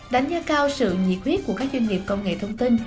đánh giá cao sự nhiệt huyết của các doanh nghiệp công nghệ thông tin